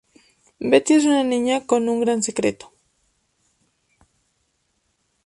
Betty es una niña con un gran secreto.